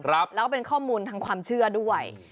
แล้วก็เป็นข้อมูลทางความเชื่อด้วย